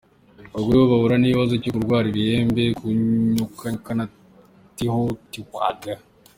Abagore bo bahura n’ikibazo cyo kurwara ibibembe, kunyunyuka na Thyroïde.